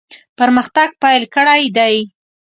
پرمختګ پیل کړی دی.